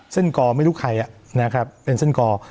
กอไม่รู้ใครนะครับเป็นเส้นกอ